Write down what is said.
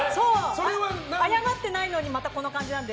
謝ってないのにまたこの感じなので。